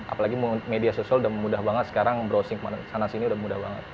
apalagi media sosial udah mudah banget sekarang browsing sana sini udah mudah banget